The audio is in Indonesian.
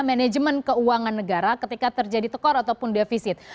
manajemen keuangan negara ketika terjadi tekor ataupun defisit